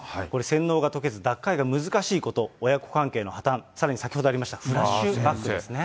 洗脳が解けず脱会が難しいこと、親子関係の破綻、さらに先ほどありましたフラッシュバックですね。